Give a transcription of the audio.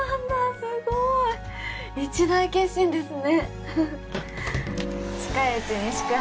すごい一大決心ですね